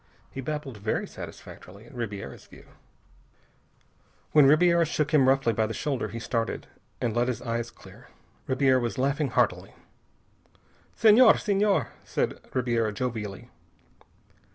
He babbled very satisfactorily, in Ribiera's view. When Ribiera shook him roughly by the shoulder he started, and let his eyes clear. Ribiera was laughing heartily. "Senhor! Senhor!" said Ribiera jovially.